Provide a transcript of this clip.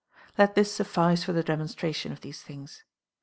Let this suffice for the demon stration of these things.